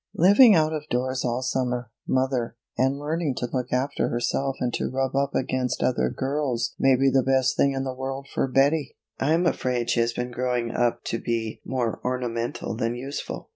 Living out of doors all summer, mother, and learning to look after herself and to rub up against other girls may be the best thing in the world for Betty. I am afraid she has been growing up to be more ornamental than useful."